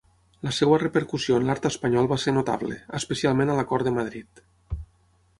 La seva repercussió en l'art espanyol va ser notable, especialment a la cort de Madrid.